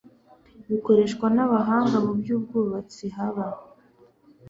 bikoreshwa n abahanga mu by ubwubatsi haba